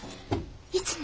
いつも。